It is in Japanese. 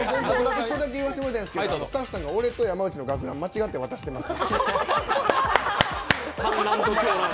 ちょっとだけ言わせていただきたいんですけどスタッフさんが俺と山内の楽屋に間違って渡してます。